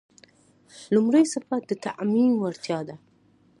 لومړی صفت د تعمیم وړتیا ده.